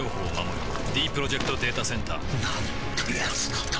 ディープロジェクト・データセンターなんてやつなんだ